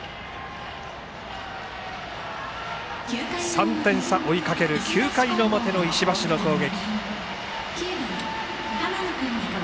３点差、追いかける９回の表の石橋の攻撃。